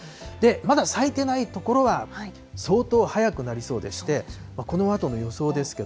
まだ咲いてない所は相当早くなりそうでして、このあとの予想です